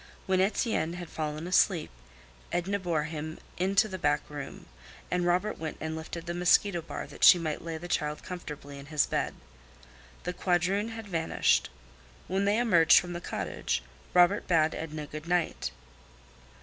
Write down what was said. When Etienne had fallen asleep Edna bore him into the back room, and Robert went and lifted the mosquito bar that she might lay the child comfortably in his bed. The quadroon had vanished. When they emerged from the cottage Robert bade Edna good night.